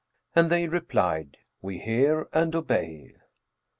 And they replied, 'We hear and obey.'